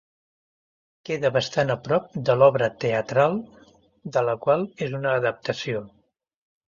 Queda bastant a prop de l'obra teatral de la qual és una adaptació.